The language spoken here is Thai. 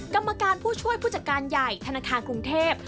กรรมการผู้ช่วยผู้จัดการใหญ่ธนาคารกรุงเทพ